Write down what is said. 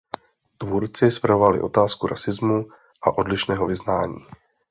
Tvůrci zpracovali otázku rasismu a odlišného vyznání.